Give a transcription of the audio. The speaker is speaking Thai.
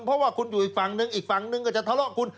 เพราะว่าคุณอยู่อีกฝั่งนึงอีกฝั่งนึงก็จะทะเลาะคุณ